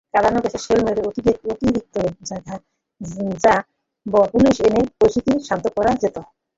কাঁদানে গ্যাসের শেল মেরে, অতিরিক্ত র্যা ব-পুলিশ এনে পরিস্থিতি শান্ত করা যেত।